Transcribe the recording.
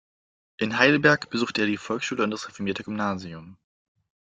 In Heidelberg besuchte er die Volksschule und das reformierte Gymnasium.